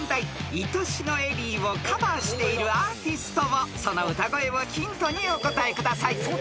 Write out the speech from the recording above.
［『いとしのエリー』をカバーしているアーティストをその歌声をヒントにお答えください］